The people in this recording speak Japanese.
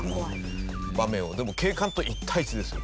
でも警官と１対１ですよ。